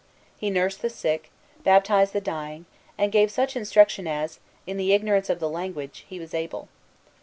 Here he nursed the sick, baptized the dying, and gave such instruction as, in his ignorance of the language, he was able.